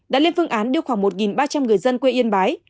đã lên phương án đưa khoảng một ba trăm linh người dân quê yên bái